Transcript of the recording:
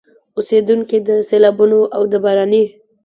اوسېدونکي د سيلابونو او د باراني